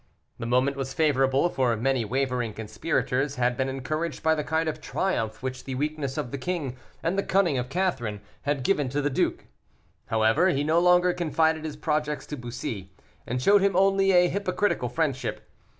The moment was favorable, for many wavering conspirators had been encouraged by the kind of triumph which the weakness of the king, and the cunning of Catherine, had given to the duke; however, he no longer confided his projects to Bussy, and showed him only a hypocritical friendship.